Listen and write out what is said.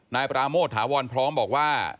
นายปราโมทถาวรพร้อมบอกว่า